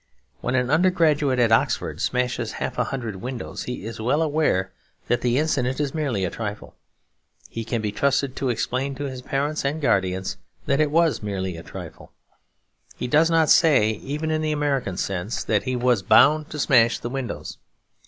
When an undergraduate at Oxford smashes half a hundred windows he is well aware that the incident is merely a trifle. He can be trusted to explain to his parents and guardians that it was merely a trifle. He does not say, even in the American sense, that he was bound to smash the windows.